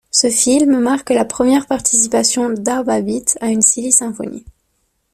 Ce film marque la première participation d'Art Babbitt à une Silly Symphony.